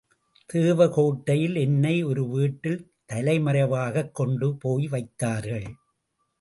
தேவகோட்டையில் என்னை ஒரு வீட்டில் தலைமறைவாகக் கொண்டு போய்வைத்தார்கள்.